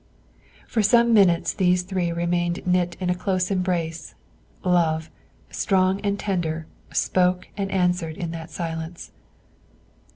For some minutes these three remained knit in a close embrace; love, strong and tender, spoke and answered in that silence.